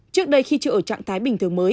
trước đây khi chưa ở trạng thái bình thường mới